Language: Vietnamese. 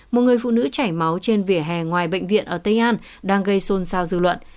một người phụ nữ chảy máu trên vỉa hè ngoài bệnh viện ở tây an đang gây xôn xao dư luận